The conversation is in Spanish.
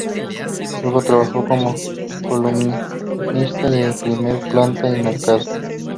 Luego trabajó como columnista de "Primera Plana" y "Mercado".